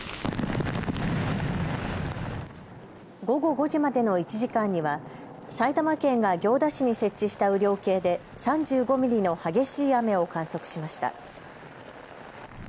午後５時までの１時間には埼玉県が行田市に設置した雨量計で３５ミリの激しい雨を観測しました。